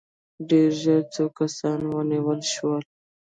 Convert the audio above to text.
ډېر ژر څو کسان ونیول شول.